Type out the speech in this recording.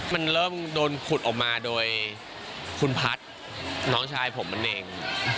มันเริ่มโดนขุดออกมาโดยคุณพัฒน์น้องชายผมมันเอง